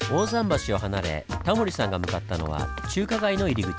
橋を離れタモリさんが向かったのは中華街の入り口。